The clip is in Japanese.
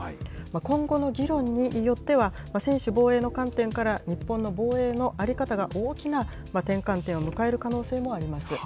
今後の議論によっては、専守防衛の観点から、日本の防衛の在り方が大きな転換点を迎える可能性もあります。